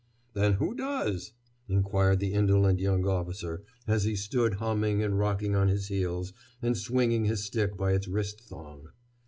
"Then who does?" inquired the indolent young officer, as he stood humming and rocking on his heels and swinging his stick by its wrist thong.